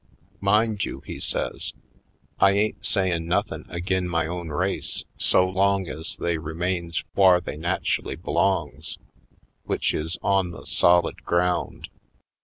Mind you," he says, "I ain't sayin' nothin' agin my own race so long ez they re mains whar they natchelly belongs, w'ich is on the solid ground.